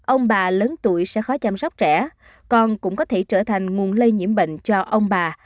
ông bà lớn tuổi sẽ khó chăm sóc trẻ con cũng có thể trở thành nguồn lây nhiễm bệnh cho ông bà